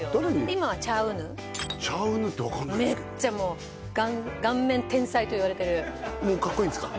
今はチャ・ウヌチャ・ウヌって分かんないですけどめっちゃもう顔面天才といわれてるかっこいいんですか？